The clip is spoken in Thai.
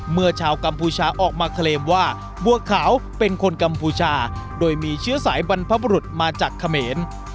เมื่อชาวกัมพูชาออกมาเคลมว่าบัวขาวเป็นคนกัมพูชาโดยมีเชื้อสายบรรพบรุษมาจากเขมร